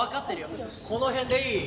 この辺でいい？